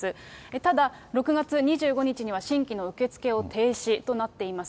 ただ、６月２５日には新規の受け付けを停止となっています。